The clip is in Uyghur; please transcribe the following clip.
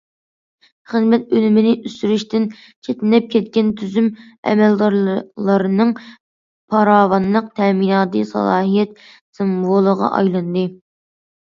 « خىزمەت ئۈنۈمىنى ئۆستۈرۈش» تىن چەتنەپ كەتكەن تۈزۈم، ئەمەلدارلارنىڭ پاراۋانلىق تەمىناتى سالاھىيەت سىمۋولىغا ئايلاندى.